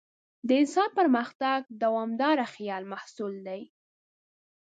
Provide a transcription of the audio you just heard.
د انسان پرمختګ د دوامداره خیال محصول دی.